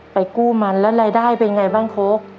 กู้มันแล้วรายได้เป็นไงบ้างโค้ก